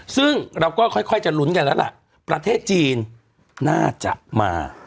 ซึ่งเราก็ค่อยจะลุ้นกันแล้วล่ะประเทศจีนน่าจะมา